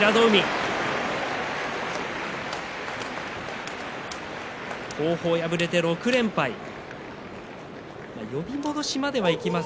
拍手王鵬は敗れて６連敗です。